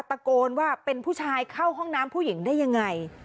ตะโกนว่าเป็นผู้ชายเข้าห้องน้ำผู้หญิงได้ยังไง